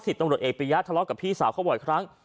ตำรวจเอกปียะทะเลาะกับพี่สาวเขาบ่อยครั้ง